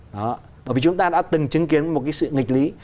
bởi vì chúng ta đã từng chứng kiến một cái sự nghịch lý